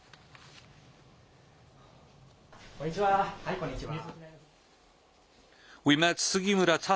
こんにちは。